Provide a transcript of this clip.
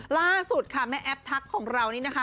ล่าสุดค่ะแม่แอฟทักของเรานี่นะคะ